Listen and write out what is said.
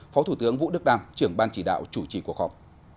phó thủ tướng vũ đức đam trưởng ban chỉ đạo chủ trì cuộc họp